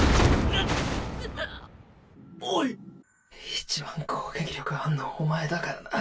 一番攻撃力あんのお前だからな。